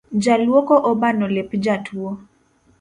Jaluoko obano lep jatuo